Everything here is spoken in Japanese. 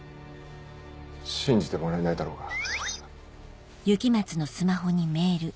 信じてもらえないだろうが。